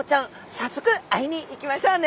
早速会いに行きましょうね。